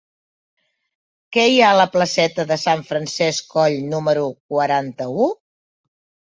Què hi ha a la placeta de Sant Francesc Coll número quaranta-u?